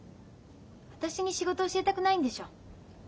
私に仕事教えたくないんでしょ。